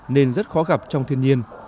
nên rất khó gặp trong thiên nhiên